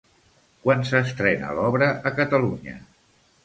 Quan s'estrena l'obra a Catalunya?